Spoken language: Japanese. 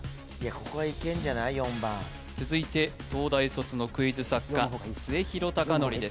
ここはいけんじゃない４番続いて東大卒のクイズ作家末廣隆典です・